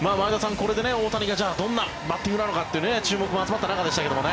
これで大谷がどんなバッティングなのかって注目も集まった中でしたけどね。